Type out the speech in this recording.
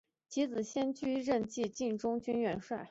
其子先且居继任晋中军元帅。